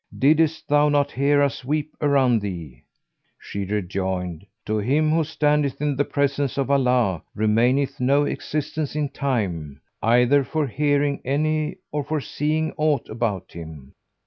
diddest thou not hear us weep around thee?" She rejoined, "To him who standeth in the presence of Allah, remaineth no existence in time, either for hearing any or for seeing aught about him."